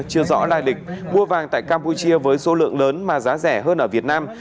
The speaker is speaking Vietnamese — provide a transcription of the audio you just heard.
chưa rõ lại định mua vàng tại campuchia với số lượng lớn mà giá rẻ hơn ở việt nam